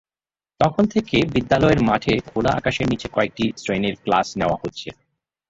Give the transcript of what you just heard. তখন থেকে বিদ্যালয়ের মাঠে খোলা আকাশের নিচে কয়েকটি শ্রেণীর ক্লাস নেওয়া হচ্ছে।